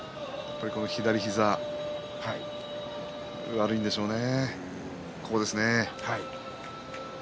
左膝、悪いんでしょうね。